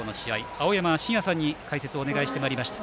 青山眞也さんに解説をお願いしてまいりました。